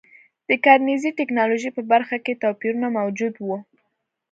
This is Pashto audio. د کرنیزې ټکنالوژۍ په برخه کې توپیرونه موجود وو.